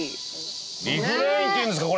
リフレインっていうんですか？